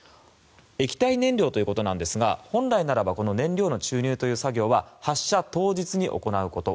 液体燃料ということなんですが本来ならばこの燃料の注入という作業は発射当日に行うこと。